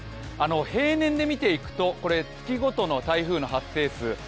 平年で見ていくと、これは月ごとの台風の発生数。